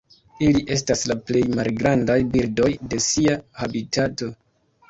Ili estas la plej malgrandaj birdoj de sia habitato.